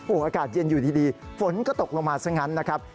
อากาศเย็นอยู่ดีฝนก็ตกลงมาซะงั้นนะครับ